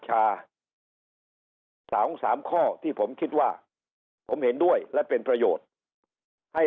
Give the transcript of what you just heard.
สองสามข้อที่ผมคิดว่าผมเห็นด้วยและเป็นประโยชน์ให้